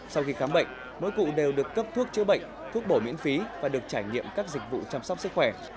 sau khi khám bệnh mỗi cụ đều được cấp thuốc chữa bệnh thuốc bổ miễn phí và được trải nghiệm các dịch vụ chăm sóc sức khỏe